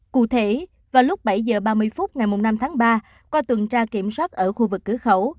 cụ thể vào lúc bảy h ba mươi phút ngày năm tháng ba qua tuần tra kiểm soát ở khu vực cửa khẩu